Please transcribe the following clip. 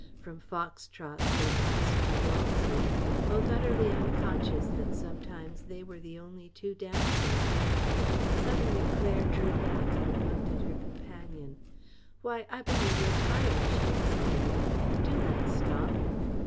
From fox trots they passed to waltzes, both utterly unconscious that sometimes they were the only two dancing. Suddenly Claire drew back and looked at her companion. "Why, I believe you're tired!" she exclaimed. "Do let's stop."